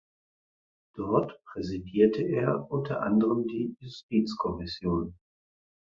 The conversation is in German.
Dort präsidierte er unter anderem die Justizkommission.